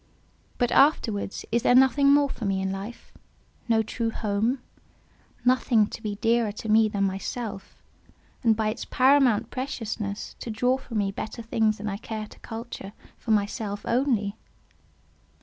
But afterwards, is there nothing more for me in life—no true home—nothing to be dearer to me than myself, and by its paramount preciousness, to draw from me better things than I care to culture for myself only?